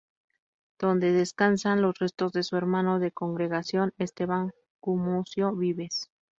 Donde descansan los restos de su hermano de congregación Esteban Gumucio Vives.